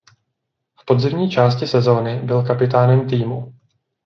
V podzimní části sezony byl kapitánem týmu.